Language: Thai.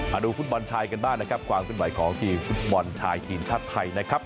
มาดูฟุตบอลชายกันบ้างนะครับความขึ้นไหวของทีมฟุตบอลชายทีมชาติไทยนะครับ